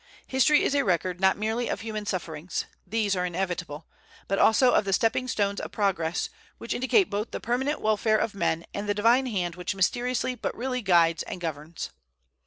History is a record not merely of human sufferings, these are inevitable, but also of the stepping stones of progress, which indicate both the permanent welfare of men and the Divine hand which mysteriously but really guides and governs.